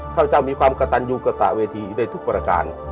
ข้าพเจ้ามีความกระตันยูกระตะเวทีได้ทุกประการ